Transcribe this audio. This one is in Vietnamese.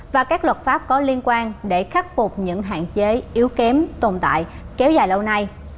và các luật pháp có liên quan để khắc phục những hạn chế yếu kém tồn tại kéo dài lâu nay